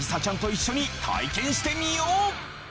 ちゃんと一緒に体験してみよう！